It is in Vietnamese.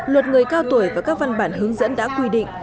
luật người cao tuổi và các văn bản hướng dẫn đã quy định